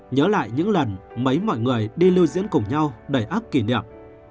nhớ lại những lần mấy mọi người đi lưu diễn cùng nhau đẩy ấp kỷ niệm